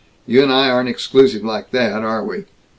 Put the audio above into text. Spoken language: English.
You and I aren't exclusive like that, are we!"